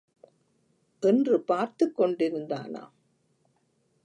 என்று பார்த்துக் கொண்டிருந்தானாம்.